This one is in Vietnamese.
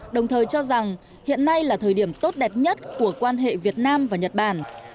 đồng thời cho rằng hiện nay là thời điểm tốt đẹp nhất của quan hệ việt nam và nhật bản